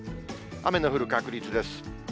雨の降る確率です。